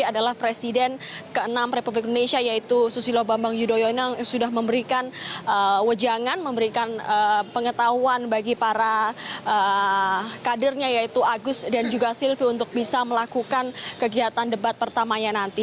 adalah presiden ke enam republik indonesia yaitu susilo bambang yudhoyono sudah memberikan wejangan memberikan pengetahuan bagi para kadernya yaitu agus dan juga silvi untuk bisa melakukan kegiatan debat pertamanya nanti